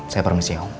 saya permisi ya om